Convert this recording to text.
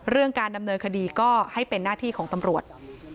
การดำเนินคดีก็ให้เป็นหน้าที่ของตำรวจ